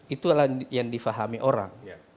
itulah yang difahami orang